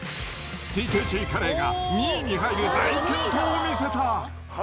ＴＫＧカレーが２位に入る大健闘を見せた。